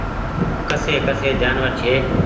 ڪسي ڪسي جآنور ڇي۔